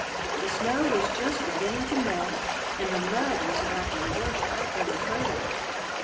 The snow was just beginning to melt and the mud was about the worst I ever heard of.